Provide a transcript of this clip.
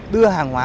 đưa hàng hóa